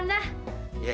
ga ada waktunya